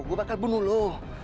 gue bakal bunuh lo